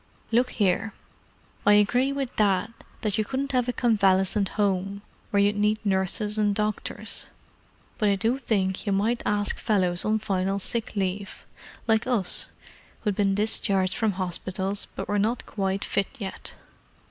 "Look here—I agree with Dad that you couldn't have a convalescent home, where you'd need nurses and doctors; but I do think you might ask fellows on final sick leave, like us—who'd been discharged from hospitals, but were not quite fit yet.